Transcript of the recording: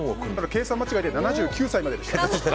計算間違いで７９歳まででした。